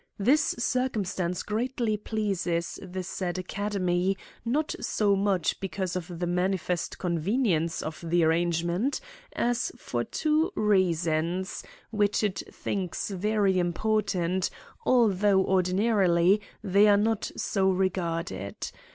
This circumstance greatly pleases the said Academy, not so much because of the manifest convenience of the arrangement, as for two reasons, which it thinks very important, although ordinarily they are not so regarded.